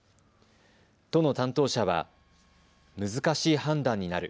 都の担当者は難しい判断になる。